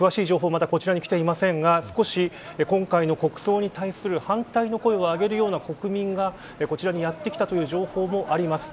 まだこちらに来ていませんが少し今回の国葬に対する反対の声を上げるような国民がこちらにやって来たという情報もあります。